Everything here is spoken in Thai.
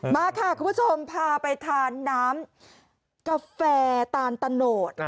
มาค่ะคุณผู้ชมพาไปทานน้ำกาแฟตาลตะโนด